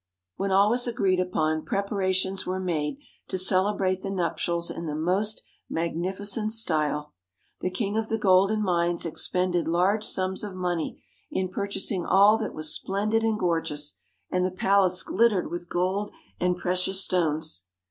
When all was agreed upon, preparations were made to celebrate the nuptials in the most mag nificent style. The King of the Golden Mines expended large sums of money in purchasing all that was splendid and gorgeous, and the palace glittered with gold and precious stones.